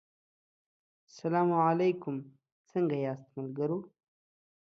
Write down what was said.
سلا علیکم څنګه یاست ملګرو